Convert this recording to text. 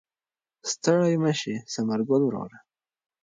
ستړی مه شې ثمر ګله وروره.